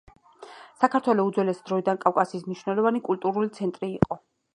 საქართველო უძველესი დროიდან კავკასიის მნიშვნელოვანი კულტურული ცენტრი იყო.